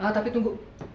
ah tapi tunggu